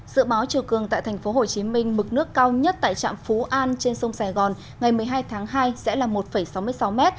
dự báo chiều cường tại tp hcm mực nước cao nhất tại trạm phú an trên sông sài gòn ngày một mươi hai tháng hai sẽ là một sáu mươi sáu m